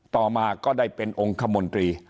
ต่อมาก็ได้เป็นองค์คมนตรี